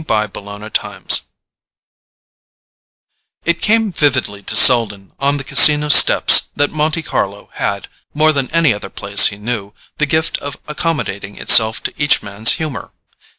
BOOK TWO Chapter 1 It came vividly to Selden on the Casino steps that Monte Carlo had, more than any other place he knew, the gift of accommodating itself to each man's humour.